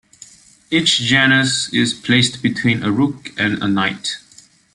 Each janus is placed between a rook and a knight.